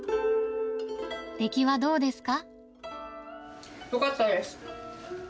出来はどうですか？